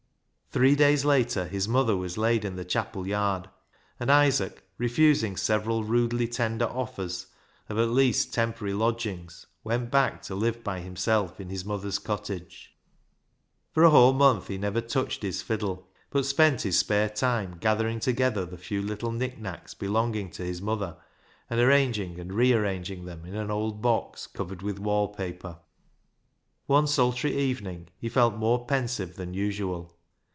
Three days later, his mother was laid in the chapel yard, and Isaac, refusing several rudely tender offers of at least temporary lodgings, went back to live by himself in his mother's cottage. For a whole month he never touched his fiddle, but spent his spare time gathering together the few little knick knacks belonging to his mother, and arranging and rearranging them in an old box covered with wall paper. One sultry evening he felt more pensive than usual.